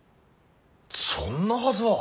そんなはずは。